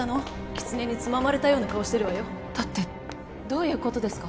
キツネにつままれたような顔してるわよだってどういうことですか？